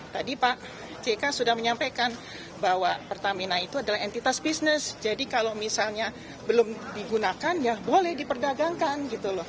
tadi pak jk sudah menyampaikan bahwa pertamina itu adalah entitas bisnis jadi kalau misalnya belum digunakan ya boleh diperdagangkan gitu loh